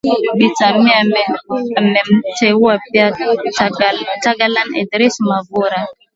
Bi Samia amemteua pia Togolan Edrisss Mavura